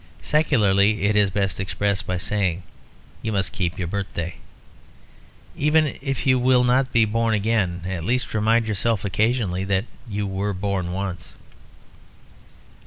Secularly it is best expressed by saying, "You must keep your birthday." Even if you will not be born again, at least remind yourself occasionally that you were born once.